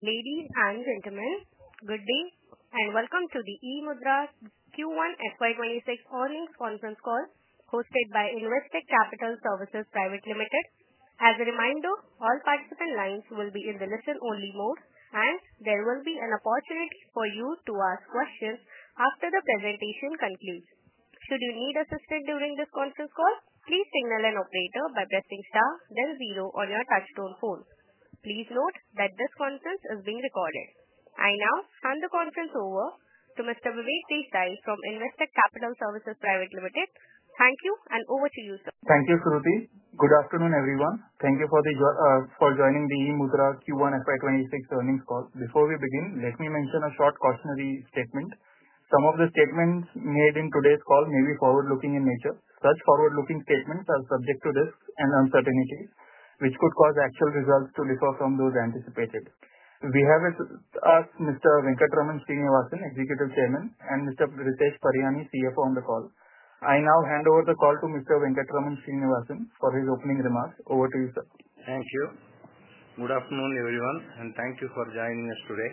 Ladies and gentlemen, good day and welcome to the eMudhra's Q1 FY26 Earnings Conference Call hosted by Investec Capital Services Pvt Ltd. As a reminder, all participant lines will be in the listen-only mode, and there will be an opportunity for you to ask questions after the presentation concludes. Should you need assistance during this conference call, please signal an operator by pressing star then zero on your touch-tone phone. Please note that this conference is being recorded. I now hand the conference over to Mr. Vivek Desai from Investec Capital Services Pvt Ltd. Thank you and over to you, sir. Thank you, Sruthi. Good afternoon, everyone. Thank you for joining the eMudhra Q1 FY2026 Earnings Call. Before we begin, let me mention a short cautionary statement. Some of the statements made in today's call may be forward-looking in nature. Such forward-looking statements are subject to risk and uncertainty, which could cause actual results to differ from those anticipated. We have with us Mr. Venkatraman Srinivasan, Executive Chairman, and Mr. Ritesh Raj Pariyani, CFO, on the call. I now hand over the call to Mr. Venkatraman Srinivasan for his opening remarks. Over to you, sir. Thank you. Good afternoon, everyone, and thank you for joining us today.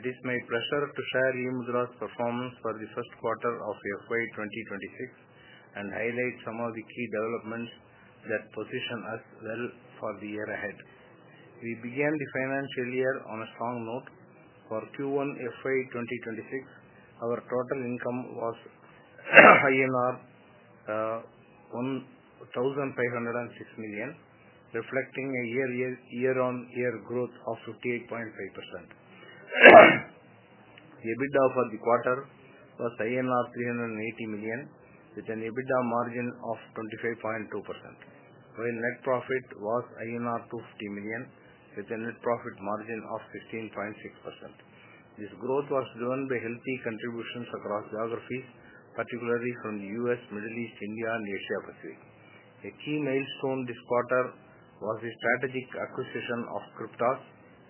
It is my pleasure to share eMudhra's performance for the first quarter of FY2026 and highlight some of the key developments that position us well for the year ahead. We began the financial year on a strong note. For Q1 FY2026, our total income was 1,506 million, reflecting a year-on-year growth of 58.5%. EBITDA for the quarter was 380 million, with an EBITDA margin of 25.2%, while net profit was 250 million, with a net profit margin of 15.6%. This growth was driven by healthy contributions across geographies, particularly from the U.S., Middle East, India, and Asia-Pacific. A key milestone this quarter was the strategic acquisition of Kryptos,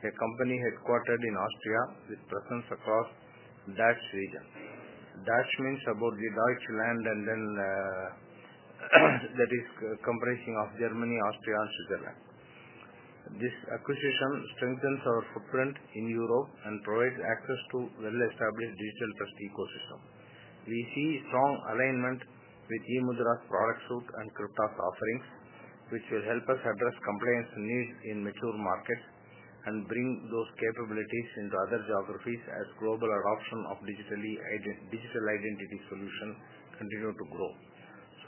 a company headquartered in Austria, with presence across the DACH region. DACH means Deutschland, Austria, and Switzerland, comprising Germany, Austria, and Switzerland. This acquisition strengthens our footprint in Europe and provides access to a well-established digital trust ecosystem. We see a strong alignment with eMudhra's product suite and Kryptos offerings, which will help us address compliance needs in mature markets and bring those capabilities into other geographies as global adoption of digital identity solutions continues to grow.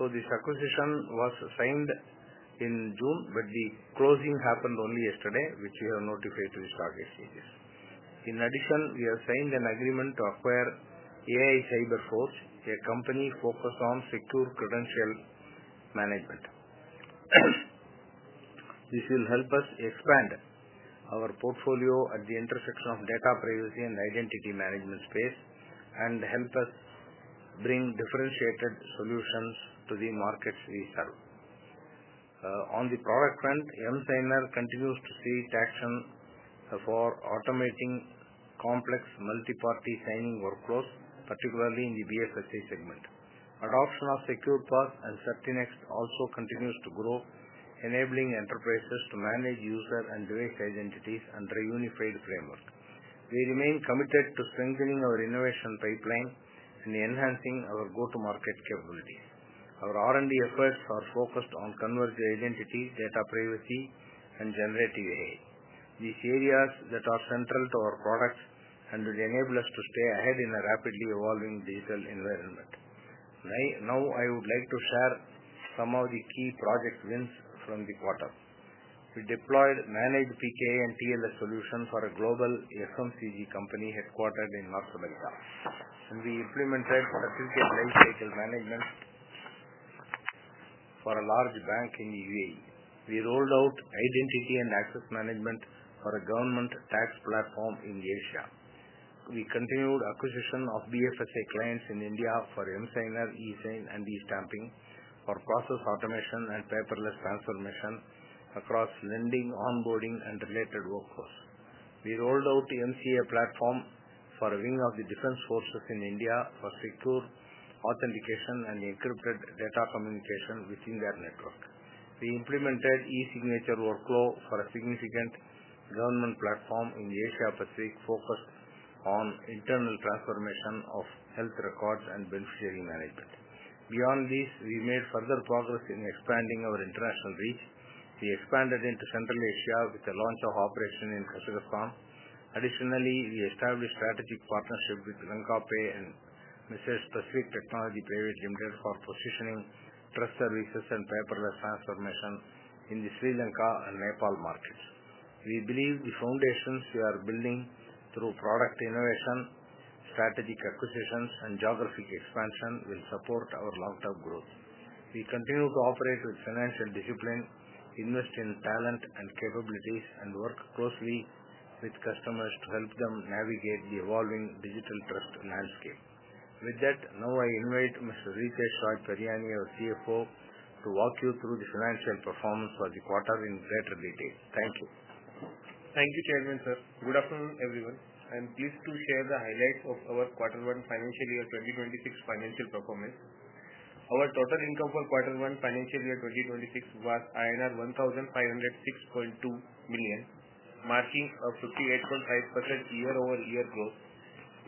This acquisition was signed in June, but the closing happened only yesterday, which we are notifying you about, Sruthi. In addition, we have signed an agreement to acquire AI CyberForge, a company focused on secure credential management. This will help us expand our portfolio at the intersection of data privacy and identity management space and help us bring differentiated solutions to the markets we serve. On the product front, MTimer continues to see traction for automating complex multi-party signing workflows, particularly in the BFSI segment. Adoption of SecurePass and CertainExt also continues to grow, enabling enterprises to manage user and direct identities under a unified framework. We remain committed to strengthening our innovation pipeline and enhancing our go-to-market capability. Our R&D efforts are focused on converged identity, data privacy, and generative AI. These areas are central to our products and will enable us to stay ahead in a rapidly evolving digital environment. Now, I would like to share some of the key project wins from the quarter. We deployed managed PKI and TLS solutions for a global FMCG company headquartered in North America, and we implemented facility and mill stakeholder management for a large bank in the UAE. We rolled out identity and access management for a government tax platform in Asia. We continued acquisition of BFSI clients in India for MTimer, eSign, and e-Stamping for process automation and paperless transformation across lending, onboarding, and related workflows. We rolled out the MCA platform for a wing of the defense forces in India for secure authentication and encrypted data communication within their network. We implemented e-signature workflow for a significant government platform in the Asia-Pacific, focused on internal transformation of health records and beneficiary management. Beyond this, we made further progress in expanding our international reach. We expanded into Central Asia with the launch of operations in Pacific Con. Additionally, we established strategic partnerships with Lankapay and M/s Pacific Technology Pvt Ltd for positioning trust services and paperless transformation in the Sri Lanka and Nepal markets. We believe the foundations we are building through product innovation, strategic acquisitions, and geographic expansion will support our long-term growth. We continue to operate with finance and discipline, invest in talent and capabilities, and work closely with customers to help them navigate the evolving digital trust landscape. With that, now I invite Mr. Ritesh Raj Pariyani, our CFO, to walk you through the financial performance for the quarter in greater detail. Thank you. Thank you, Chairman, sir. Good afternoon, everyone. I'm pleased to share the highlights of our Q1 Financial Year 2026 financial performance. Our total income for Q1 Financial Year 2026 was INR 1,506.2 million, marking a 58.8% year-over-year growth.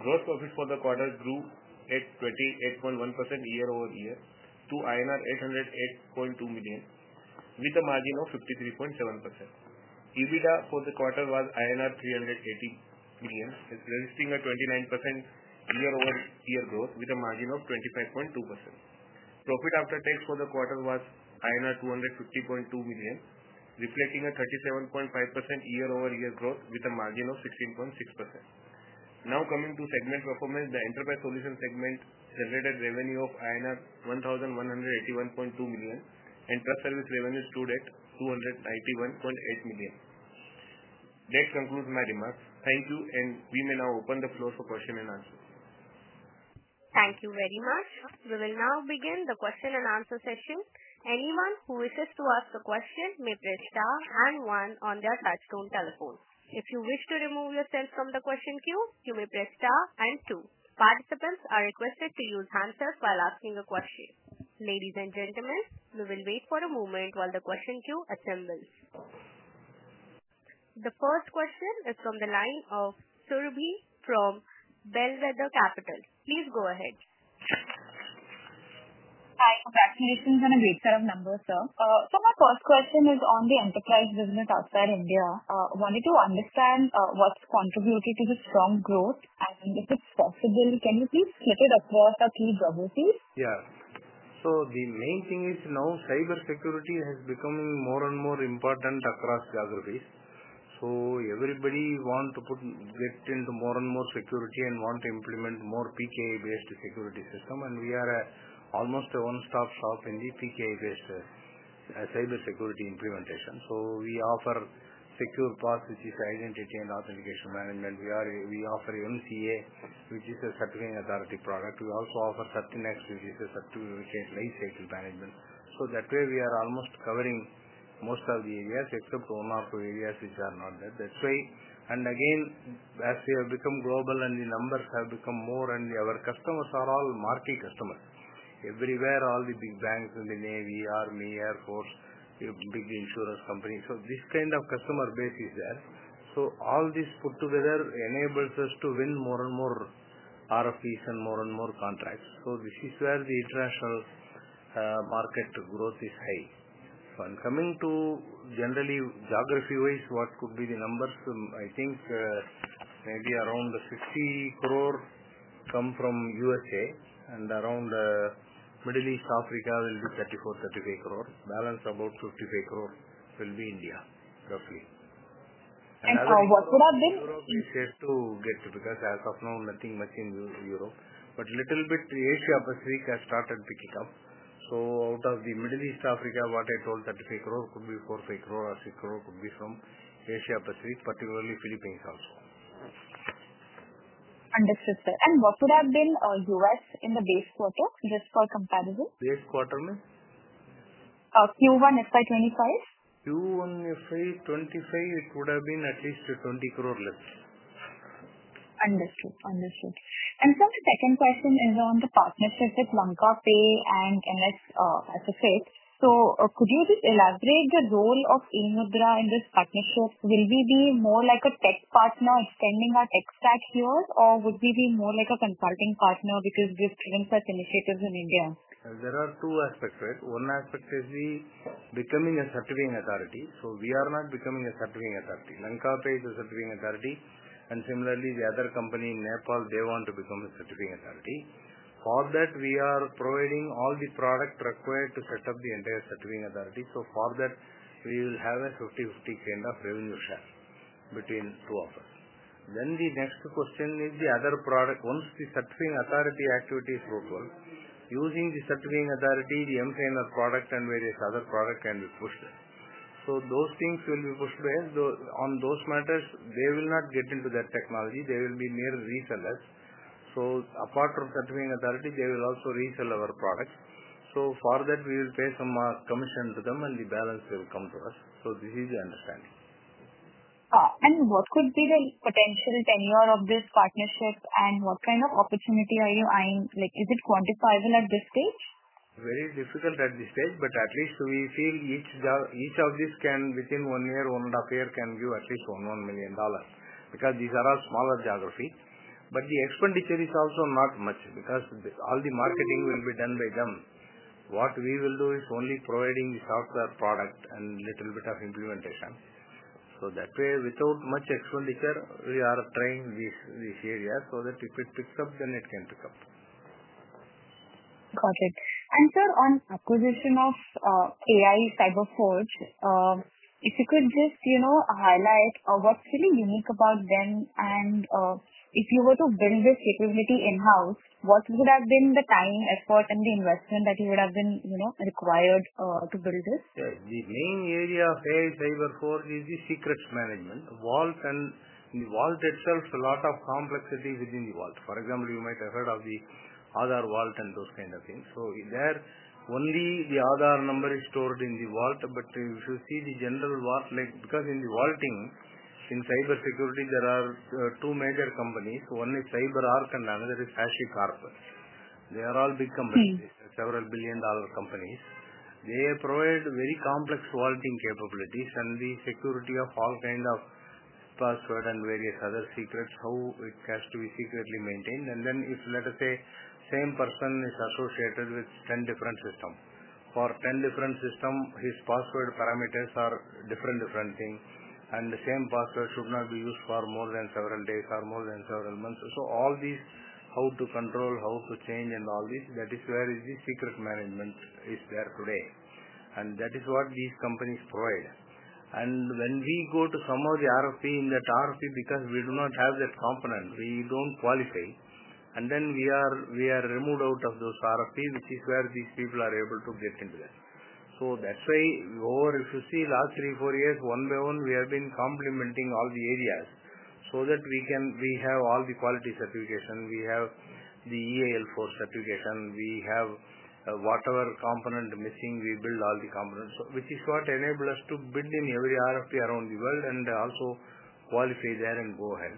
Gross profit for the quarter grew at 28.1% year-over-year to INR 808.2 million, with a margin of 53.7%. EBITDA for the quarter was INR 380 million, realistically at 29% year-over-year growth, with a margin of 25.2%. Profit after tax for the quarter was 250.2 million, reflecting a 37.5% year-over-year growth, with a margin of 16.6%. Now coming to segment performance, the enterprise solutions segment generated revenue of INR 1,181.2 million, and trust service revenue stood at 291.8 million. That concludes my remarks. Thank you, and we may now open the floor for questions and answers. Thank you very much. We will now begin the question and answer session. Anyone who wishes to ask a question may press star and one on their touch-tone telephone. If you wish to remove yourself from the question queue, you may press star and two. Participants are requested to use hands up while asking a question. Ladies and gentlemen, we will wait for a moment while the question queue assembles. The first question is from the line of Surbhi from Bellwether Capital. Please go ahead. Hi. Congratulations on a great set of numbers, sir. My first question is on the enterprise business outside India. I wanted to understand what's contributed to the strong growth, and if it's possible, can you please split it across our key geographies? Yeah. The main thing is now cybersecurity is becoming more and more important across geographies. Everybody wants to get into more and more security and wants to implement more PKI-based security systems, and we are almost a one-stop shop in the PKI-based cybersecurity implementation. We offer SecurePass, which is identity and authentication management. We offer E1CA, which is a certification authority product. We also offer CertainExt, which is a certification lifecycle management. That way, we are almost covering most of the areas except one or two areas which are not there. That way, as we have become global and the numbers have become more and our customers are all marquee customers. Everywhere, all the big banks in the Navy, Army, Air Force, big insurance companies. This kind of customer base is there. All this put together enables us to win more and more RFPs and more and more contracts. This is where the international market growth is high. I'm coming to generally geography-wise, what could be the numbers? I think maybe around 50 crore come from the US, and around the Middle East, Africa will be 34, 35 crore. Balance about 55 crore will be India, roughly. What would have been? Europe is yet to get to because as of now, nothing much in Europe, but a little bit Asia-Pacific has started picking up. Out of the Middle East, Africa, what I told 35 crore could be 45 crore or 6 crore could be from Asia-Pacific, particularly Philippines also. Understood, sir. What would have been our U.S. in the base quarter, just for comparison? Base quarter means? Q1 FY25. Q1 FY2025, it would have been at least 20 crore, let's say. Understood, understood. Sir, the second question is on the partnership with Lankapay and M/s Pacific. Could you just elaborate the role of eMudhra in this partnership? Will we be more like a tech partner extending our tech stack here, or would we be more like a consulting partner because we're seeing such initiatives in India? There are two aspects to it. One aspect is we becoming a certification authority. We are not becoming a certification authority. Lankapay is a certification authority, and similarly, the other company in Nepal, they want to become a certification authority. For that, we are providing all the product required to set up the entire certification authority. For that, we will have a 50-50 kind of revenue share between the two of us. The next question is the other product. Once the certification authority activity is fulfilled, using the certification authority, the MTimer product and various other products can be pushed there. Those things will be pushed there. On those matters, they will not get into that technology. They will be mere resellers. Apart from certification authority, they will also resell our products. For that, we will pay some commission to them, and the balance will come to us. This is the understanding. What could be the potential tenure of this partnership, and what kind of opportunity are you eyeing? Is it quantifiable at this stage? Very difficult at this stage, but at least we feel each of these can within one year, one and a half year can give at least $1 million because these are smaller geographies. The expenditure is also not much because all the marketing will be done by them. What we will do is only providing the software products and a little bit of implementation. That way, without much expenditure, we are trying this area so that if it picks up, then it can pick up. Got it. Sir, on acquisition of AI CyberForge, if you could just highlight what's really unique about them, and if you were to build this capability in-house, what would have been the time, effort, and the investment that you would have been required to build this? The main area of AI CyberForge is the secrets management. Vault and the vault itself, a lot of complexity within the vault. For example, you might have heard of the Aadhaar vault and those kinds of things. There, only the Aadhaar number is stored in the vault, but if you see the general vault, like because in the vaulting, in cybersecurity, there are two major companies. One is CyberArk, and another is HashiCorp. They are all big companies, several billion dollar companies. They provide very complex vaulting capabilities and the security of all kinds of passwords and various other secrets, how it has to be secretly maintained. If, let's say, the same person is associated with 10 different systems, for 10 different systems, his password parameters are different, different things, and the same password should not be used for more than several days or more than several months. All these, how to control, how to change, and all this, that is where the secrets management is there today. That is what these companies provide. When we go to some of the RFP, in that RFP, because we do not have that component, we don't qualify. We are removed out of those RFP, which is where these people are able to get into them. Over, if you see, last three, four years, one by one, we have been complementing all the areas so that we can, we have all the quality certification, we have the EAL4 certification, we have whatever component missing, we build all the components, which is what enables us to build in every RFP around the world and also qualify there and go ahead.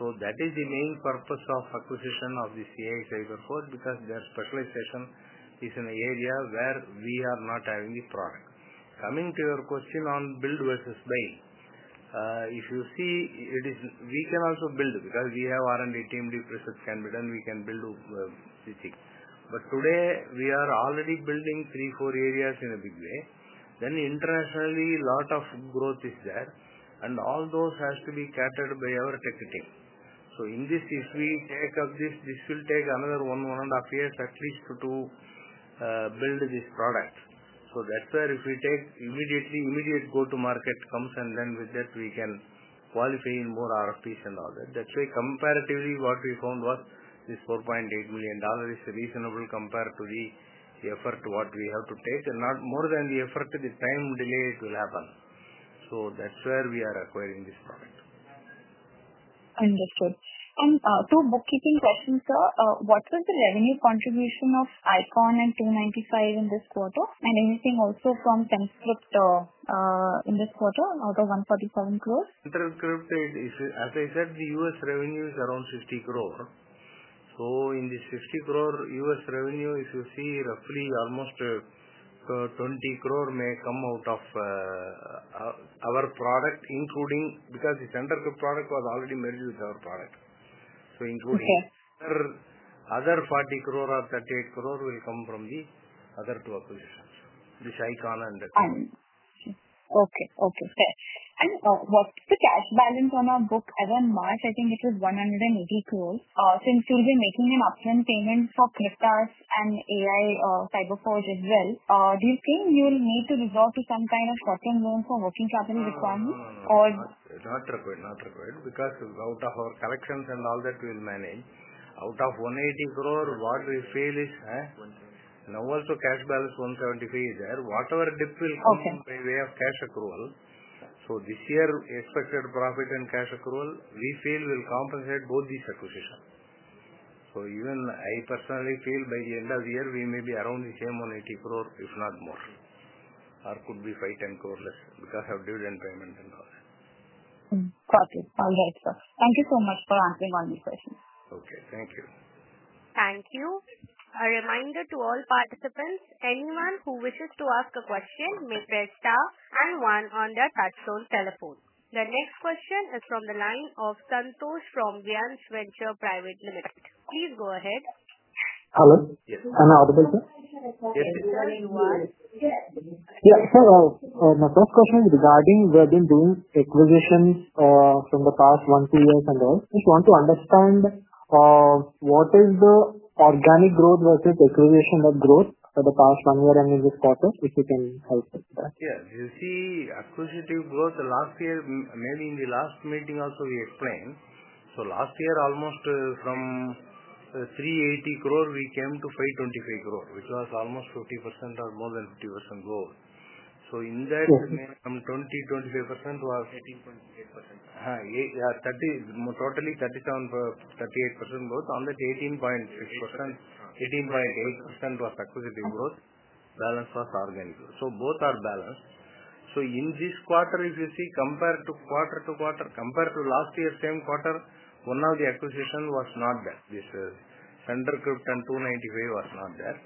That is the main purpose of acquisition of this AI CyberForge because their specialization is in an area where we are not having the product. Coming to your question on build versus buy, if you see, it is, we can also build because we have R&D team, deep research can be done, we can build a CC. Today, we are already building three, four areas in a big way. Internationally, a lot of growth is there, and all those have to be captured by our tech team. In this, if we take up this, this will take another one, one and a half years, at least to build this product. If we take immediately, immediate go-to-market comes, and then with that, we can qualify in more RFPs and all that. Comparatively what we found was this $4.8 million is reasonable compared to the effort what we have to take, and not more than the effort, the time delay will happen. That is where we are acquiring this product. Understood. Two bookkeeping questions, sir. What was the revenue contribution of Icon and 295 in this quarter? Anything also from Signcrypt in this quarter, out of 147 crore? Signcrypt, as I said, the U.S. revenue is around 60 crore. In the 60 crore U.S. revenue, if you see, roughly almost 20 crore may come out of our product, including, because the TelScript product was already merged with our product. Including other party crore or 38 crore will come from the other two acquisitions, this Icon and Signcrypt. Okay. Sir, what's the cash balance on our book as of March? I think it was 180 crore. Since you'll be making an upfront payment for Kryptos and AI CyberForge as well, do you think you'll need to resolve some kind of working loan for working capital requirements or? It's not required, not required because of the collections and all that we'll manage. Out of 180 crore, what we feel is, when now also cash balance 173 crore is there, whatever dip will come by way of cash accrual. This year, expected profit and cash accrual, we feel will compensate both these acquisitions. I personally feel by the end of the year, we may be around the same 180 crore, if not more. It could be 5-10 crore less because of dividend payment and all. Okay, all right, sir. Thank you so much for answering all these questions. Okay, thank you. Thank you. A reminder to all participants, anyone who wishes to ask a question may press star and one on their touch-tone telephone. The next question is from the line of Santhosh from Viansh Venture Private Limited. Please go ahead. Hello. Yes, I'm available. Yes, sir, my first question is regarding we have been doing acquisitions from the past one to two years and all. I just want to understand what is the organic growth versus acquisition of growth for the past one year and in this quarter, if you can help with that. You see, acquisitive growth last year, maybe in the last meeting also we explained. Last year, almost from 380 crore, we came to 525 crore, which was almost 50% or more than 50% growth. In that, maybe 20%, 25% was. 18, 28%. Yeah, totally 37%, 38% growth. On that, 18.6%, 18.8% was acquisitive growth. Balance was organic growth. Both are balanced. In this quarter, if you see, compared to quarter to quarter, compared to last year's same quarter, one of the acquisitions was not there. This Signcrypt and 295 was not there.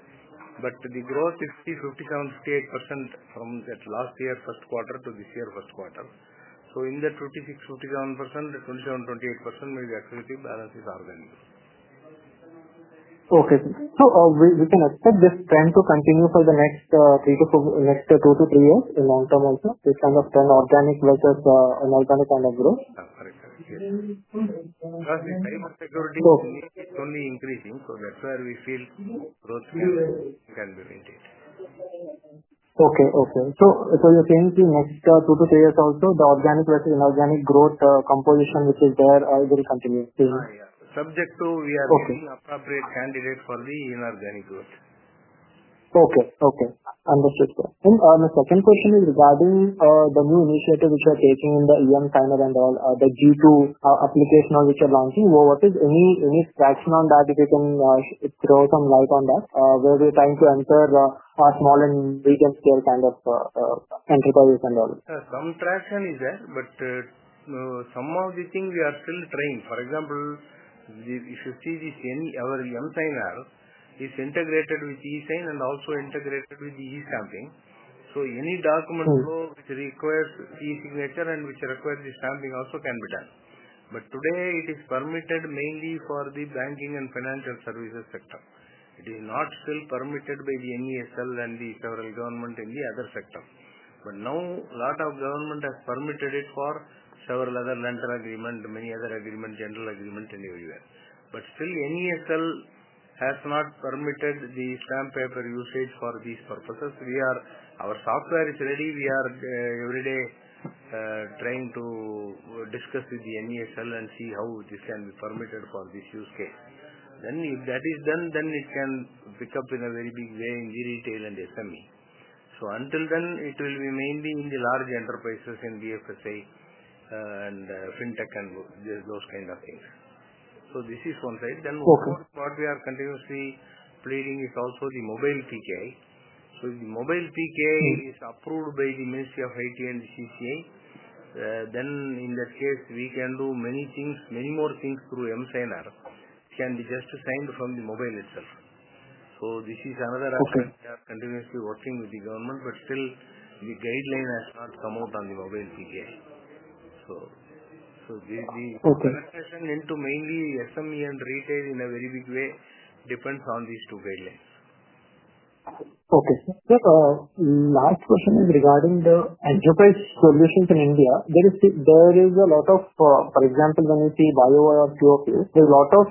The growth is 57%, 58% from that last year's first quarter to this year's first quarter. In that 56%, 57%, 27%, 28% maybe acquisitive, balance is organic. Okay. We can expect this trend to continue for the next two to three years in long term also, this kind of trend, organic versus inorganic kind of growth? Correct, correct. Because the cybersecurity niche, it's only increasing. That's where we feel growth can be maintained. Okay. You're saying in the next two to three years also, the organic versus inorganic growth composition, which is there, will continue? Subject to we are the appropriate candidate for the inorganic growth. Okay. Understood. The second question is regarding the new initiative which we are taking in the MTimer and all the G2 application which we are launching. Is there any traction on that? If you can throw some light on that. We're trying to enter a small and medium scale kind of enterprise and all. Some traction is there, but some of the things we are still trying. For example, if you see this in our MTimer, it's integrated with eSign and also integrated with the e-Stamping. Any document flow which requires e-signature and which requires the stamping also can be done. Today, it is permitted mainly for the banking and financial services sector. It is not still permitted by the NESL and the federal government in the other sectors. Now, a lot of government has permitted it for several other lender agreements, many other agreements, general agreements and everywhere. Still, NESL has not permitted the stamp paper usage for these purposes. Our software is ready. We are every day trying to discuss with the NESL and see how this can be permitted for this use case. If that is done, it can pick up in a very big way in the retail and SME. Until then, it will be mainly in the large enterprises in BFSI and fintech and those kinds of things. This is one side. What we are continuously playing is also the mobile TKA. The mobile TKA is approved by the Ministry of IT and this is new. In that case, we can do many things, many more things through MTimer can be just timed from the mobile itself. This is another aspect we are continuously working with the government, but still, the guideline has not come out on the mobile TKA. The integration into mainly SME and retail in a very big way depends on these two guidelines. Okay. Yes, last question is regarding the enterprise solutions in India. For example, when you see YOY or QOQ, there's a lot of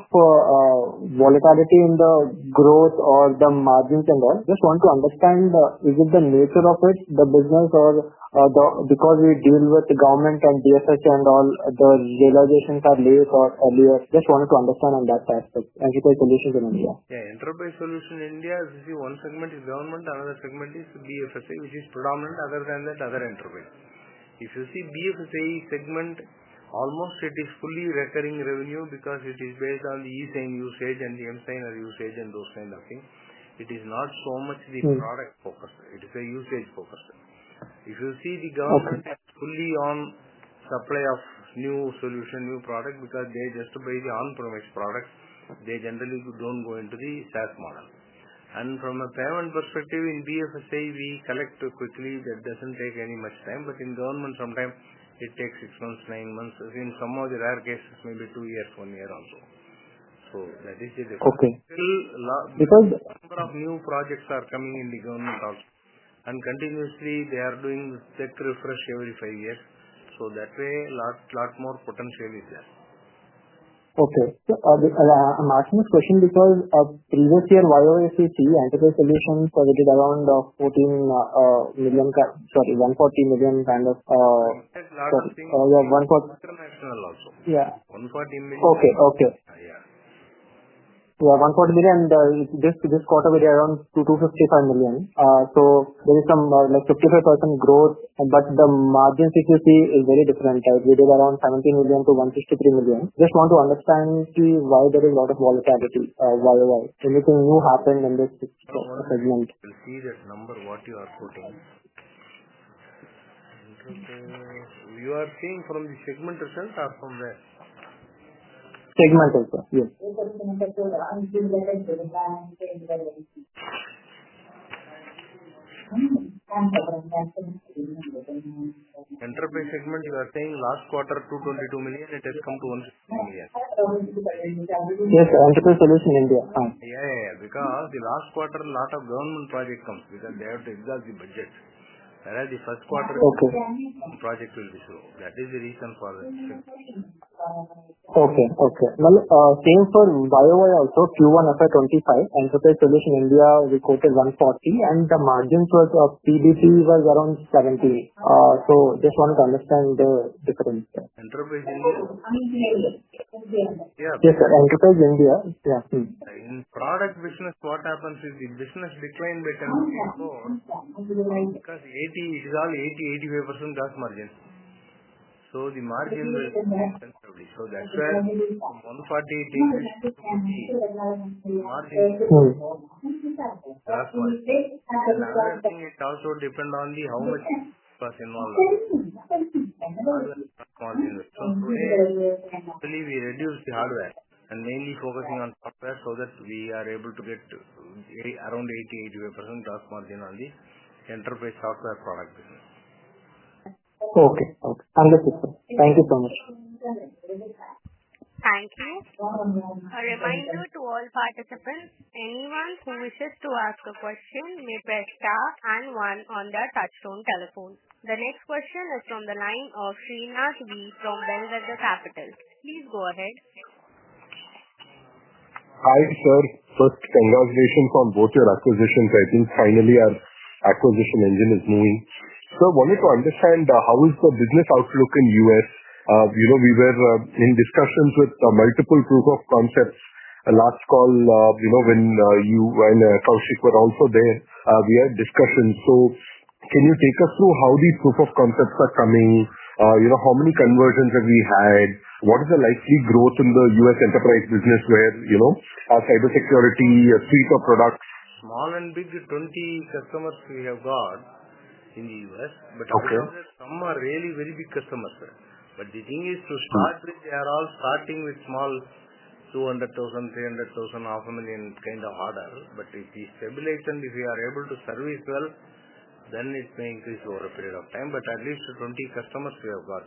volatility in the growth or the margins and all. Just want to understand, is it the nature of it, the business, or because we deal with the government and DFHA and all, the realizations are made for earlier. Just want to understand on that type of enterprise solutions in India. Yeah, enterprise solutions in India, if you see, one segment is government, another segment is BFSI, which is predominant. Other than that, other enterprise. If you see, BFSI segment, almost it is fully recurring revenue because it is based on the eSign usage and the MTimer usage and those kinds of things. It is not so much the product focused. It is a usage focused. If you see, the government has fully on supply of new solutions, new products because they just buy the on-premise products. They generally don't go into the SaaS model. From a payment perspective, in BFSI, we collect quickly. It doesn't take any much time, but in government, sometimes it takes six months, nine months. In some of the rare cases, maybe two years, one year also. That is a difference. Okay. New projects are coming in the government also, and continuously, they are doing the tech refresh every five years. That way, a lot more potential is there. Okay. I'm asking this question because of previous year YOY SEC enterprise solutions. Was it around INR 140 million kind of costing? Yeah, INR 140 million also. Yeah. 140 million. Okay, okay. Yeah. Yeah, INR 140 million. This quarter will be around 255 million. There is some like 55% growth, but the margins, if you see, are very different. We did around 17 million to 153 million. Just want to understand why there is a lot of volatility. Why? Anything new happened in this? If you see that number, what you are quoting, are you paying from the segment itself or from where? Segment also. Yes. Enterprise segment, you are paying last quarter 222 million. It has come to 16 million. Yes, enterprise solution in India. Yeah, yeah, because the last quarter, a lot of government projects come because they have to exhaust the budget. Otherwise, the first quarter, the project will be slow. That is the reason for that. Okay, okay. Same for Bhairavar also, Q1 FY2025, enterprise solution in India, we quoted 140 million, and the margin of PBP was around 70 million. I just wanted to understand the difference. Enterprise in India? Yes, enterprise in India. In product business, what happens is the business declines because 80, 85% just margins. The margins are substantially. That's where 140 takes. Okay. That's why I think it also depends on how much cost is involved. Okay. Typically, we reduce the hardware and mainly focusing on software so that we are able to get around 80% to 85% cost margin on the enterprise software product business. Okay, okay. Understood, sir. Thank you so much. Thank you. A reminder to all participants, anyone who wishes to ask a question may press star and one on their touch-tone telephone. The next question is from the line of Srinath V. from Bellwether Capital. Please go ahead. Hi, sir. First, congratulations on both your acquisitions. I think finally, our acquisition engine is moving. I wanted to understand how is the business outlook in the U.S.? You know, we were in discussions with multiple proof of concepts last call, you know, when you and Kaushik were also there. We had discussions. Can you take us through how these proof of concepts are coming? How many conversions have we had? What is the likely growth in the US enterprise business where, you know, cybersecurity, three core products? Small and big, 20 customers we have got in the U.S., but some are really very big customers, sir. The thing is, to start with, they are all starting with small, $200,000, $300,000, $500,000 kind of order. If it's stabilized and if they are able to service well, then it may increase over a period of time. At least 20 customers we have got.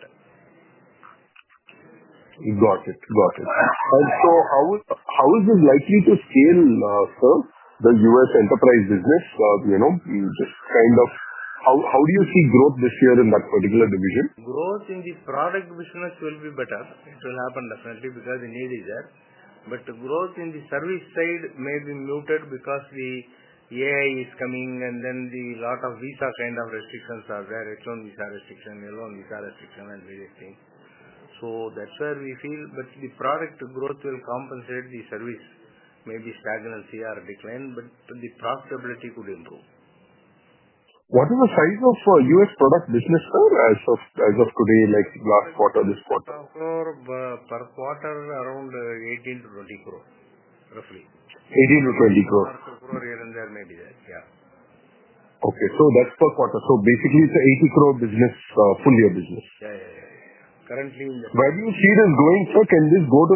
Got it. How is this likely to scale, sir, the U.S. enterprise business? How do you see growth this year in that particular division? Growth in the product business will be better. It will happen definitely because the need is there. However, the growth in the service side may be muted because the AI is coming, and then a lot of visa kind of restrictions are there: return visa restriction, L-1 visa restriction, and various things. That’s where we feel, but the product growth will compensate the service, maybe stagnantly or decline, but the profitability could improve. What is the size of U.S. product business, sir, as of today, like last quarter, this quarter? Per quarter, around 18 to 20 crore, roughly. 18 to 20 crore. A quarter here and there may be that, yeah. Okay. That's per quarter. Basically, it's an 80 crore business, full-year business. Currently in the. Where do you see this going, sir? Can this go to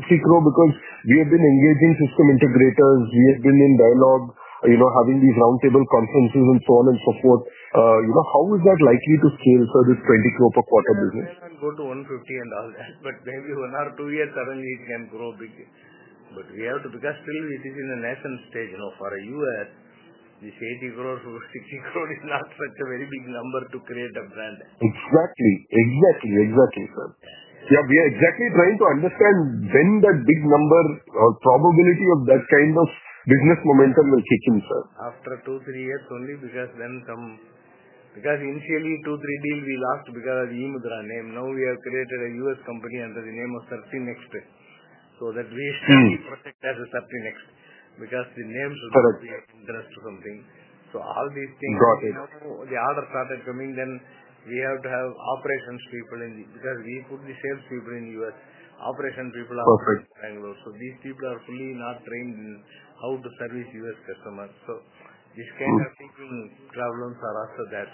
150 crore? Because we have been engaging system integrators. We have been in dialogue, having these roundtable conferences and so on and so forth. How is that likely to scale, sir, the 20 crore per quarter business? It will go to 150 and all that, but maybe one or two years, suddenly it can grow big. We have to, because still it is in the nascent stage, you know, for a U.S., this 80 crore to 60 crore is not such a very big number to create a brand. Exactly, sir. Yeah, we are exactly trying to understand when that big number or probability of that kind of business momentum will kick in, sir. After two, three years only, because then come, because initially two, three years we lost because of eMudhra name. Now we have created a U.S. company under the name of CertainExt. That really has a CertainExt because the names is going to be addressed to something. All these things, you know, the order started coming. We have to have operations people in the, because we put the sales people in the U.S. Operations people are from Bangalore. These people are really not trained in how to service U.S. customers. These kinds of things, problems are also there.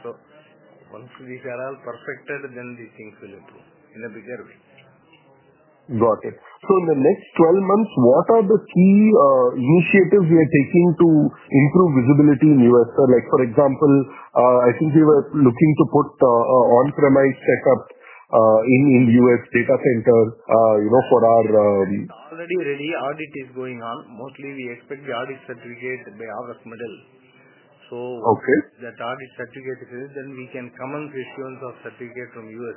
Once these are all perfected, these things will improve in a bigger way. Got it. In the next 12 months, what are the key initiatives we are taking to improve visibility in the U.S., sir? For example, I think we were looking to put on-premise setups in the U.S. data center for our. Already, really, audit is going on. Mostly, we expect the audit certificate may have a medal. If that audit certificate is, then we can command issuance of certificate from U.S.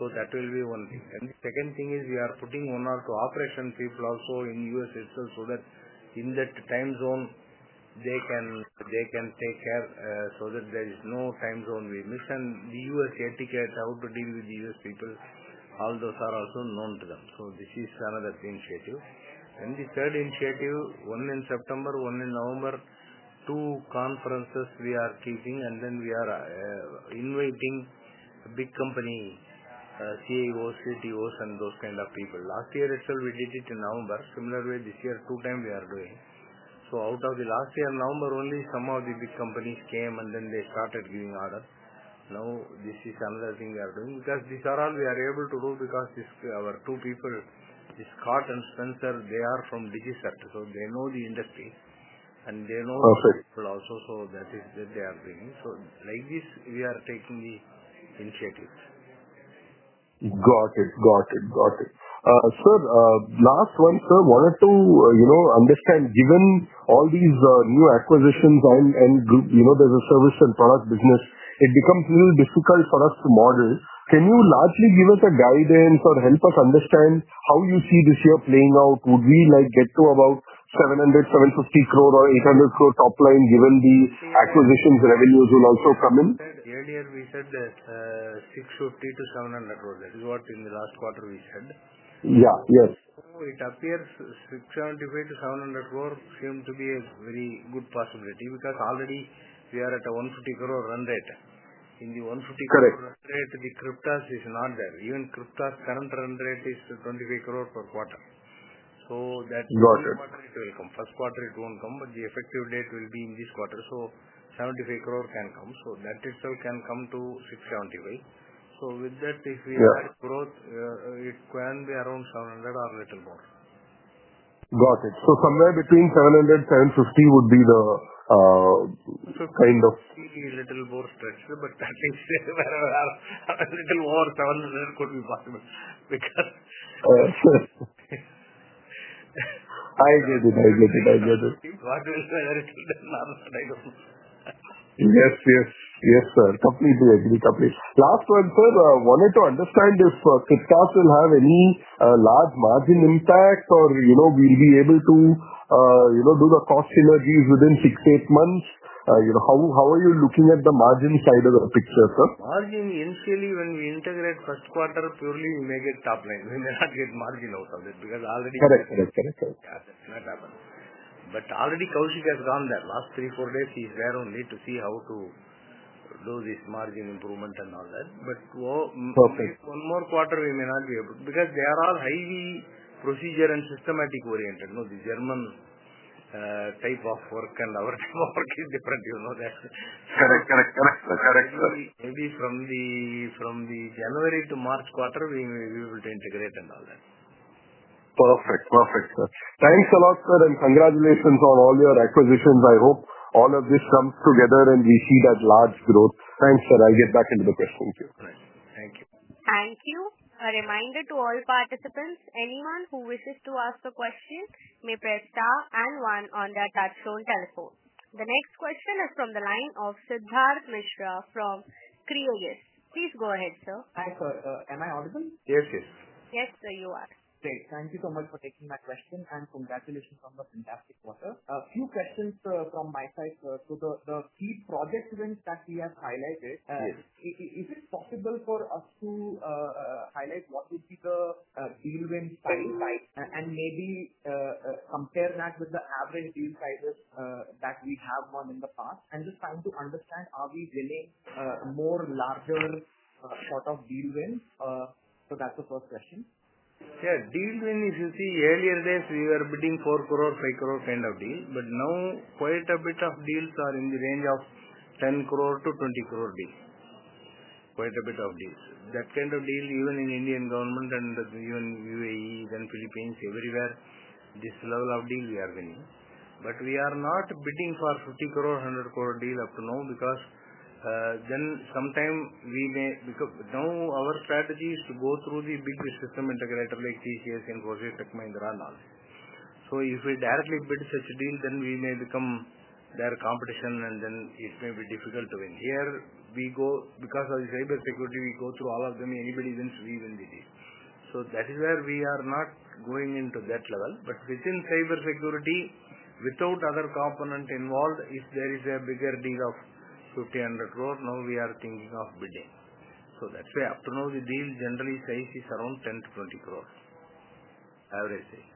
That will be one thing. The second thing is we are putting one or two operations people also in U.S., so that in that time zone, they can take care so that there is no time zone we missed. The U.S. yet to get, I would deal with the U.S. people. All those are also known to them. This is another initiative. The third initiative, one in September, one in November, two conferences we are keeping, and then we are inviting big company CEOs, CTOs, and those kinds of people. Last year, actually, we did it in November. Similarly, this year, two times we are doing. Out of the last year in November, only some of the big companies came, and then they started giving orders. This is another thing we are doing because this around, we are able to do because our two people, this Scott and Spencer, they are from Digiset. They know the industry, and they know it should also, so that is that they are bringing. Like this, we are taking the initiatives. Sir, last one, sir, I wanted to, you know, understand, given all these new acquisitions on, and you know, there's a service and product business, it becomes a little difficult for us to model. Can you largely give us a guidance or help us understand how you see this year playing out? Would we like get to about 700 crore, 750 crore, or 800 crore top line, given the acquisitions revenues will also come in? Yeah, earlier, we said that 650 to 700 crore, that's what in the last quarter we said. Yeah, yes. It appears 650 to 700 crore seems to be a very good possibility because already we are at a 150 crore run rate. In the 150 crore run rate, Kryptos is not there. Even Kryptos' current run rate is 25 crore per quarter. That quarter it will come. First quarter it won't come, but the effective date will be in this quarter. 75 crore can come. That itself can come to 675 crore. With that, if we add growth, it can be around 700 crore or a little more. Got it. Somewhere between 700, 750 would be the kind of. Very little more stretch, but that is where a little more 700 could be possible. I get it. What you said, I shouldn't answer. I don't know. Yes, sir. Completely agree, completely. Last one, sir, I wanted to understand if Kryptos will have any large margin impact or we'll be able to do the cost synergies within six to eight months. How are you looking at the margin side of the picture, sir? Margin, initially, when we integrate first quarter purely, we make it top line. We may not get margin out of it because already. Correct, correct, correct. That's not happening. Already Kaushik Srinivasan has gone there. Last three, four days, he's there only to see how to do this margin improvement and all that. To go one more quarter, we may not be able to because they are all highly procedure and systematic oriented. The German type of work and our work is different, you know that. Correct, correct, correct, sir. Maybe from the January to March quarter, we may be able to integrate and all that. Perfect, perfect, sir. Thanks a lot, sir, and congratulations on all your acquisitions. I hope all of this comes together and we see that large growth. Thanks, sir. I'll get back into the questions here. Thank you. Thank you. A reminder to all participants, anyone who wishes to ask a question may press star and one on their touch-tone telephone. The next question is from the line of Siddharth Mishra from Creagis. Please go ahead, sir. Hi, sir. Am I audible? Yes, yes. Yes, sir, you are. Great. Thank you so much for taking my question and congratulations on the fantastic quarter. A few questions from my side, sir. The key project wins that we have highlighted, is it possible for us to highlight what would be the deal wins time, right? Maybe compare that with the average deal sizes that we have won in the past and just try to understand, are we winning more larger sort of deal wins? That's the first question. Yeah, deal wins, you see, earlier days we were bidding 4 crore, 5 crore kind of deals, but now quite a bit of deals are in the range of 10 crore to 20 crore deals. Quite a bit of deals. That kind of deal even in Indian government and even UAE, then Philippines, everywhere, this level of deal we are winning. We are not bidding for 50 crore, 100 crore deal up to now because sometimes we may become, now our strategy is to go through the big system integrator like TCS, Infosys, Tech Mahindra, and all. If we directly bid such a deal, we may become their competition and it may be difficult to win. Here, we go, because of the cybersecurity, we go through all of them. Anybody wins, we win the deal. That is where we are not going into that level. Within cybersecurity, without other component involved, if there is a bigger deal of 50-100 crore, now we are thinking of bidding. That's why up to now the deal generally size is around 10-20 crores, average sale.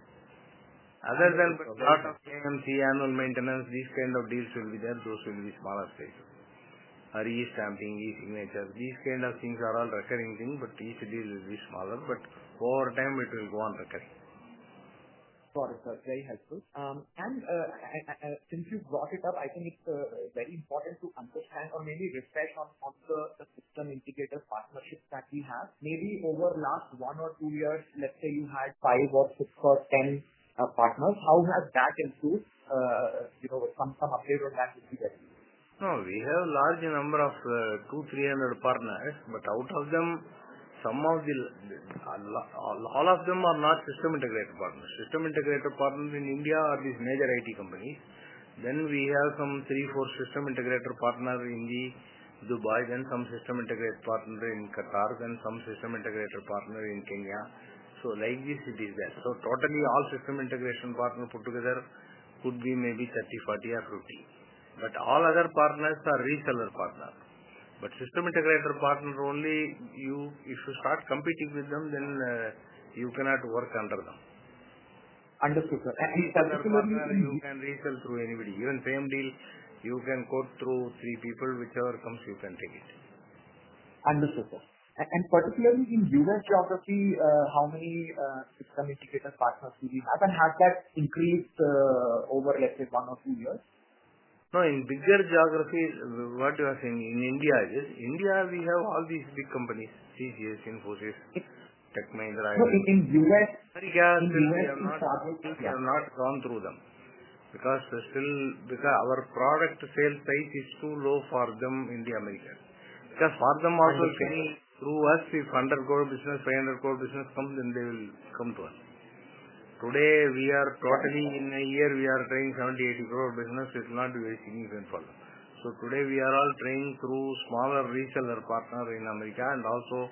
Other than a lot of payments, the annual maintenance, these kinds of deals should be there. Those will be smaller spaces. Our e-Stamping, eSignatures, these kinds of things are all recurring things, but each deal will be smaller. Over time, it will go on recurring. Sorry, sir. Very helpful. Since you brought it up, I think it's very important to understand or maybe reflect on the system integrator partnerships that we have. Maybe over the last one or two years, let's say you had five or six or ten partners. How has that improved? Some update on that would be better. No, we have a large number of 200-300 partners, but out of them, all of them are not system integrator partners. System integrator partners in India are these major IT companies. We have some three, four system integrator partners in Dubai, some system integrator partners in Qatar, and some system integrator partners in Kenya. Like this, it is there. Totally, all system integrator partners put together would be maybe 30, 40. All other partners are reseller partners. System integrator partners only, if you start competing with them, then you cannot work under them. Understood, sir. Any other partner, you can resell through anybody. Even same deal, you can quote through three people. Whichever comes, you can take it. Understood, sir. Particularly in the US geography, how many system integrator partners do you have? Has that increased over, let's say, one or two years? No, in bigger geography, what you are saying in India, is it? India, we have all these big companies, TCS, Infosys, Tech Mahindra. In the U.S., are you still? We have not gone through them because our product sales size is too low for them in the Americas. For them also, if any through us, if undercore business, play undercore business comes, then they will come to us. Today, we are totally in a year, we are playing 70 crore, 80 crore business. It's not wasting even for them. Today we are all playing through smaller reseller partners in America and also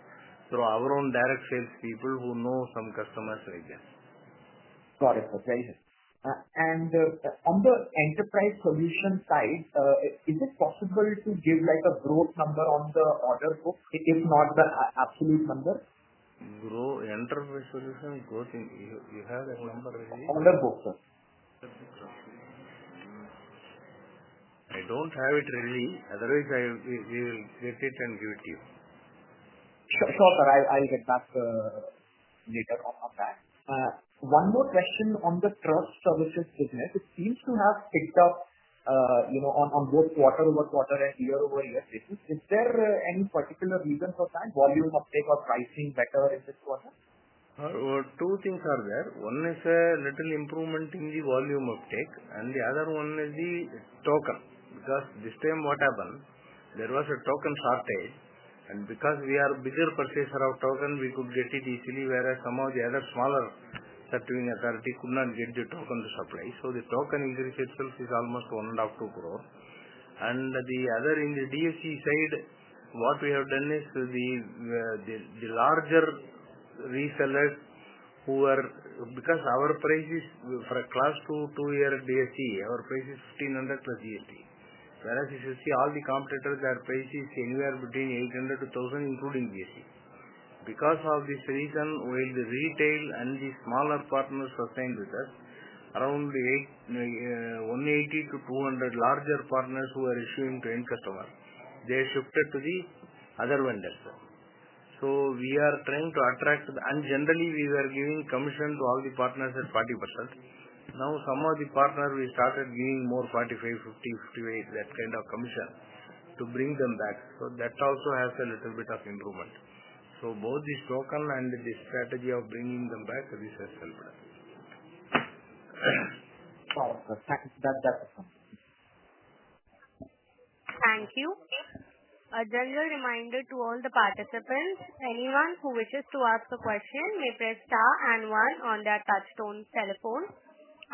through our own direct sales people who know some customers right there. Got it. Okay, interesting. On the enterprise solution side, is it possible to give like a growth number on the order book if not the absolute number? Growth, enterprise solution growth in, you have that number ready? Order book, sir. I don't have it ready. Otherwise, I will get it and give it to you. Sure, sir. I'll get back later on that. One more question on the trust services segment. It seems to have picked up, you know, on both quarter over quarter and year over year basis. Is there any particular reason for that? Volume uptake or pricing better in this quarter? Two things are there. One is a little improvement in the volume uptake, and the other one is the token. This time what happened, there was a token shortage, and because we are a bigger purchaser of token, we could get it easily, whereas some of the other smaller certifying authorities could not get the token to supply. The token increase itself is almost 15 million to 20 million. On the DSC side, what we have done is the larger resellers who are, because our price is for a Class 2 two-year DSC, our price is 1,500 plus DSC. Whereas if you see all the competitors, their price is anywhere between 800 to 1,000, including GST. Because of this reason, while the retail and the smaller partners are staying with us, around the 180 to 200 larger partners who are issuing to end customers, they shifted to the other vendors. We are trying to attract, and generally we were giving commission to all the partners at 40%. Now some of the partners we started giving more, 45%, 50%, 50%, that kind of commission to bring them back. That also has a little bit of improvement. Both the token and the strategy of bringing them back, this has helped us. Got it. Thank you, sir. Thank you. A gentle reminder to all the participants, anyone who wishes to ask a question may press star and one on their touchstone telephone.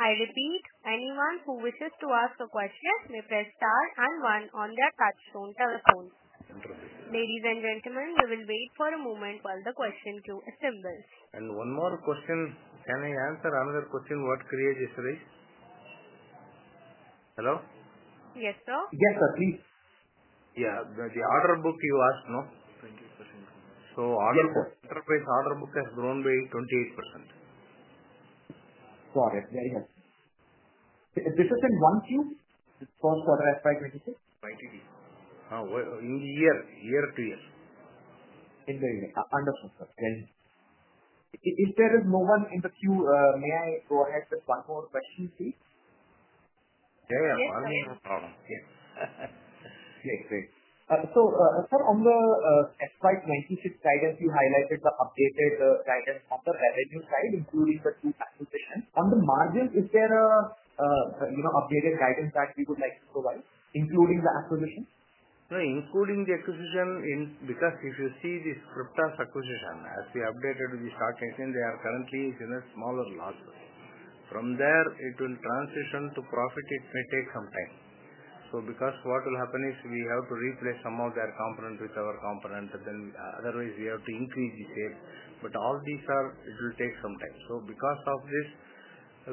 I repeat, anyone who wishes to ask a question may press star and one on their touchstone telephone. Ladies and gentlemen, we will wait for a moment while the question queue assembles. One more question. Can I answer another question? What creates this race? Hello? Yes, sir. Yes, please. Yeah, the order book you asked now, 20%. Enterprise order book has grown by 28%. Got it. This is in one year? The fourth quarter FY2026? FY2026, in years, year to year. Understood, sir. Thank you. If there is more, may I go ahead with one more question? Yeah, yeah. On the FY2026 guidance, you highlighted the updated guidance on the revenue side, including the key financials. On the margin, is there an updated guidance that you would like to provide, including the acquisitions? No, including the acquisition in, because if you see this Kryptos acquisition, as we updated the stock, I think they are currently in a smaller loss. From there, it will transition to profit. It may take some time. We have to replace some of their components with our component. Otherwise, we have to increase the sales. All these are, it will take some time. Because of this,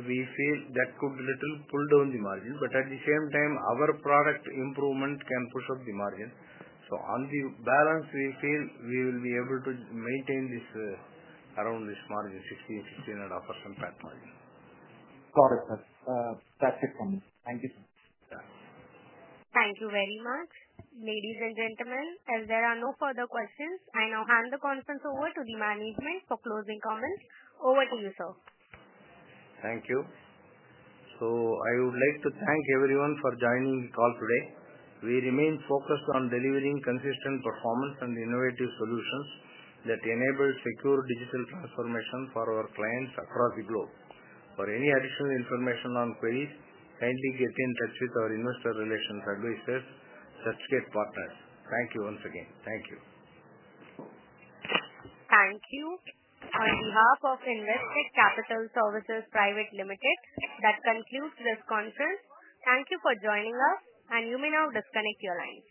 we feel that could little pull down the margin. At the same time, our product improvements can push up the margin. On the balance, we feel we will be able to maintain this around this margin, 16%, 16.5% PAT margin. Got it, sir. That's it from me. Thank you, sir. Thank you very much. Ladies and gentlemen, as there are no further questions, I now hand the conference over to the management for closing comments. Over to you, sir. Thank you. I would like to thank everyone for joining the call today. We remain focused on delivering consistent performance and innovative solutions that enable secure digital transformation for our clients across the globe. For any additional information or queries, kindly get in touch with our investor relations advisors, certificate partners. Thank you once again. Thank you. Thank you. On behalf of Investec Capital Services Private Limited, that concludes this conference. Thank you for joining us, and you may now disconnect your lines.